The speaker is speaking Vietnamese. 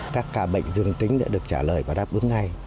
các ca bệnh dương tính đã được trả lời và đáp ứng ngay